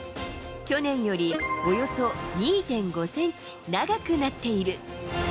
去年よりおよそ２．５センチ長くなっている。